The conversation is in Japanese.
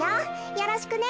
よろしくね。